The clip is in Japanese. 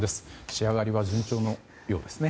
仕上がりは順調のようですね。